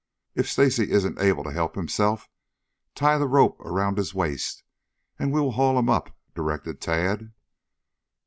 "If Stacy isn't able to help himself, tie the rope around his waist and we will haul him up," directed Tad.